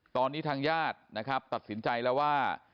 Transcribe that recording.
ตอนนี้ทางญาตินะครับตัดสินใจแล้วว่า